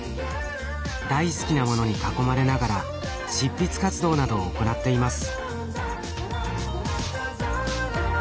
大好きなものに囲まれながら執筆活動などを行っています。